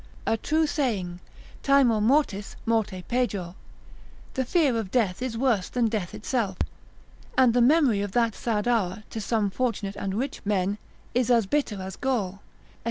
A true saying, Timor mortis, morte pejor, the fear of death is worse than death itself, and the memory of that sad hour, to some fortunate and rich men, is as bitter as gall, Eccl.